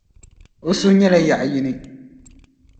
O suhu nyɛla yaɣ’ yini.